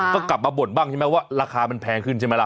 ก็กลับมาบ่นบ้างใช่ไหมว่าราคามันแพงขึ้นใช่ไหมล่ะ